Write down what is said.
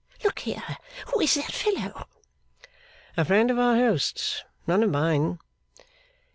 Look here. Who is that fellow?' 'A friend of our host's. None of mine.